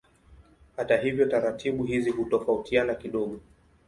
Hata hivyo taratibu hizi hutofautiana kidogo.